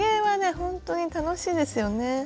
ほんとに楽しいですよね。